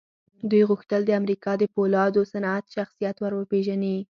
دوی غوښتل د امريکا د پولادو صنعت شخصيت ور وپېژني.